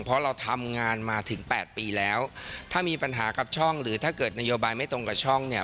เพราะเราทำงานมาถึงแปดปีแล้วถ้ามีปัญหากับช่องหรือถ้าเกิดนโยบายไม่ตรงกับช่องเนี่ย